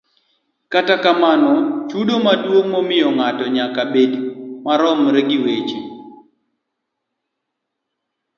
Kata kamano, chudo maduong' mimiyo ng'ato nyaka bed maromre gi weche